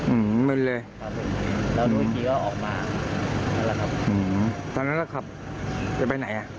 อื้อมึนเลยแล้วโดยทีก็ออกมาอื้อตอนนั้นจะขับจะไปไหนอ่ะ